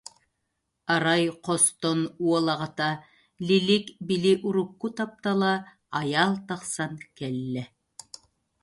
Арай хостон уол аҕата, Лилик били урукку таптала Айаал тахсан кэллэ.